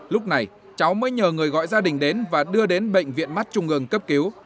lúc này cháu mới nhờ người gọi gia đình đến và đưa đến bệnh viện mắt trung ương cấp cứu